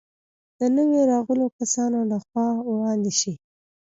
د نویو راغلو کسانو له خوا وړاندې شي.